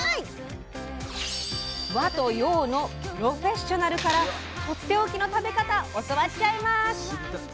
和と洋のプロフェッショナルからとっておきの食べ方教わっちゃいます！